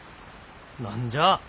何じゃあ。